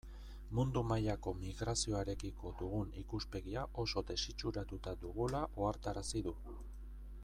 Mundu mailako migrazioarekiko dugun ikuspegia oso desitxuratuta dugula ohartarazi du.